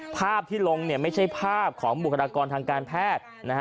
ภาพที่ลงไม่ใช่ภาพของบุคลากรทางการแพทย์